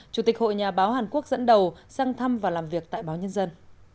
chủ tịch hội nhà báo hàn quốc dẫn đầu sang thăm và làm việc tại báo nhân dân